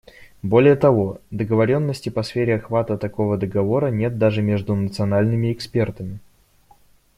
Более того, договоренности по сфере охвата такого договора нет даже между национальными экспертами.